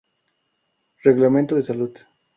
Reglamento de Salud.